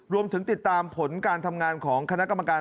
รวมถึงติดตามผลการทำงานของคณะกรรมการ